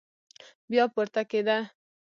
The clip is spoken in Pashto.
بيا پورته کېده.